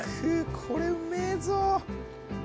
これうめぇぞ。